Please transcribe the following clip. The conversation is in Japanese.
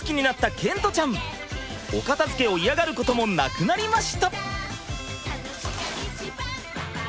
お片づけを嫌がることもなくなりました。